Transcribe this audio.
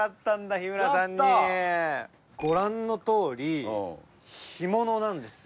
ご覧のとおり干物なんです。